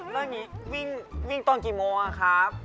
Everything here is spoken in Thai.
แล้วนี้วิ่งตอนกี่โมงอ่ะครับ